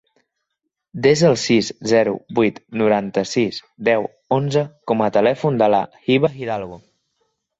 Desa el sis, zero, vuit, noranta-sis, deu, onze com a telèfon de la Hiba Hidalgo.